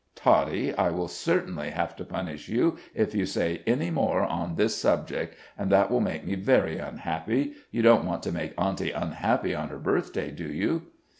"Toddie, I will certainly have to punish you if you say any more on this subject, and that will make me very unhappy. You don't want to make auntie unhappy on her birthday, do you?"